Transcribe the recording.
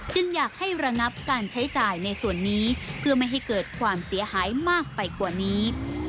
อยากให้ระงับการใช้จ่ายในส่วนนี้เพื่อไม่ให้เกิดความเสียหายมากไปกว่านี้